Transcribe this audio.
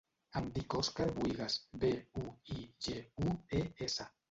Em dic Òscar Buigues: be, u, i, ge, u, e, essa.